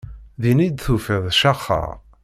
Din iyi-d tufiḍ caxeɣ.